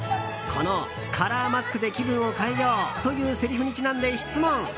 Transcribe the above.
この「カラーマスクで気分を変えよう！」というせりふにちなんで質問。